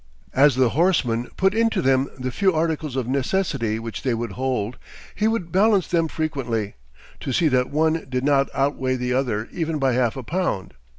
As the horseman put into them the few articles of necessity which they would hold he would balance them frequently, to see that one did not outweigh the other even by half a pound.